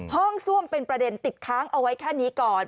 ซ่วมเป็นประเด็นติดค้างเอาไว้แค่นี้ก่อน